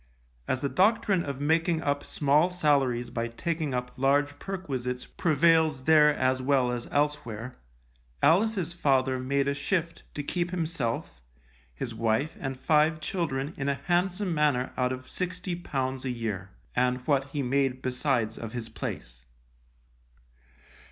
As the doctrine of making up small salaries by taking up large perquisites prevails there as well as elsewhere, Alice's father made a shift to keep himself, his wife and five children in a handsome manner out of £60 a year, and what he made besides of his place.